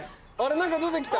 何か出て来た。